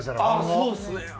ああそうですね。